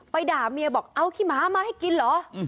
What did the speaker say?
ด่าเมียบอกเอาขี้หมามาให้กินเหรอ